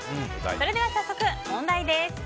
それでは早速、問題です。